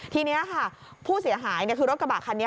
ทีนี้ค่ะผู้เสียหายคือรถกระบะคันนี้